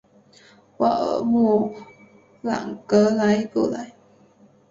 沃尔默朗格莱布莱。